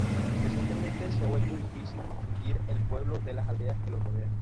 Recientemente se ha vuelto difícil distinguir el pueblo de las aldeas que lo rodean.